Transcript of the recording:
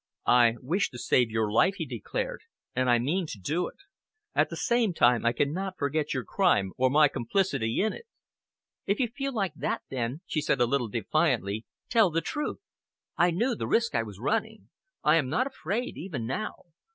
"I wish to save your life," he declared, "and I mean to do it. At the same time, I cannot forget your crime or my complicity in it." "If you feel like that, then," she said a little defiantly, "tell the truth. I knew the risk I was running. I am not afraid, even now.